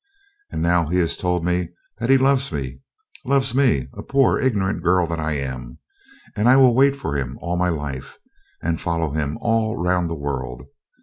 And now he has told me that he loves me loves me, a poor ignorant girl that I am; and I will wait for him all my life, and follow him all round the world.